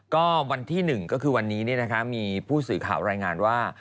ก็วันที่หนึ่งก็คือวันนี้เนี่ยนะคะมีผู้สื่อข่าวรายงานว่า